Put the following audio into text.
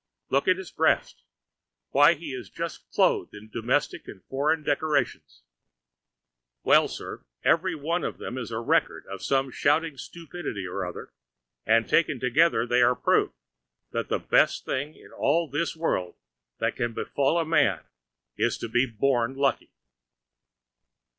Look at his breast; why, he is just clothed in domestic and foreign decorations. Well, sir, every one of them is a record of some shouting stupidity or other; and, taken together, they are proof that the very best thing in all this world that can befall a man is to be born lucky.